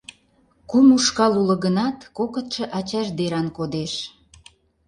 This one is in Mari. Кум ушкал уло гынат, кокытшо ачаж деран кодеш.